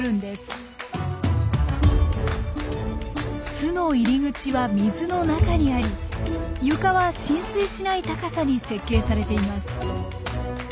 巣の入り口は水の中にあり床は浸水しない高さに設計されています。